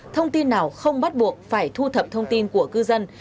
thông tin nào không bắt buộc phải thu thập thông tin của cư dân